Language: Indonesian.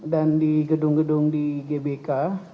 di gedung gedung di gbk